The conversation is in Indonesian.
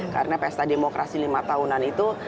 karena pesta demokrasi lima tahunan itu